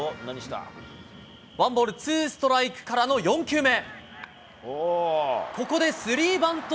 １ボール２ストライクからの４球目。